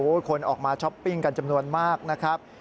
คนออกมาช้อปปิ้งกันจำนวนมากนะครับ